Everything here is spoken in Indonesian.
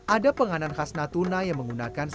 ada penganan khas natuna yang menggunakan sasar dan sikap